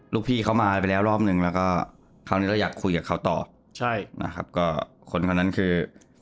ลูกพี่เขามาไปแล้วรอบหนึ่งแล้วก็คราวนี้เราอยากคุยกับเขาต่อใช่นะครับก็คนคนนั้นคือ